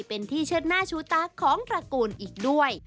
เป็นที่เชิดหน้าชูตาของตระกูลอีกด้วย